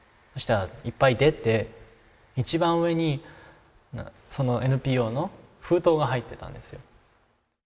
そしたらいっぱい出て一番上にそのＮＰＯの封筒が入ってたんですよ。